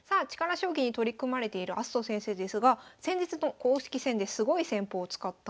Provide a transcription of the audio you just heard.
将棋に取り組まれている明日斗先生ですが先日の公式戦ですごい戦法を使ったんです。